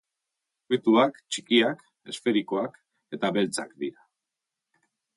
Fruituak txikiak, esferikoak eta beltzak dira.